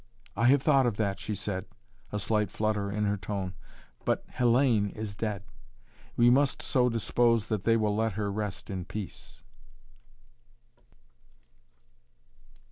"I have thought of that," she said, a slight flutter in her tone. "But Hellayne is dead. We must so dispose that they will let her rest in peace."